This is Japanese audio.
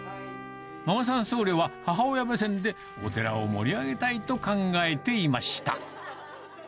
ママさん僧侶は、母親目線で、お寺を盛り上げたいと考えていました。